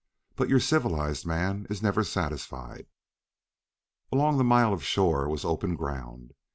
But your civilized man is never satisfied. Along the mile of shore was open ground.